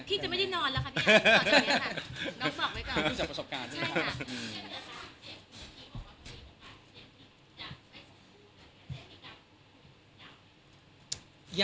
พี่จะไม่ได้นอนแล้วค่ะพี่ต่อจากนี้ค่ะ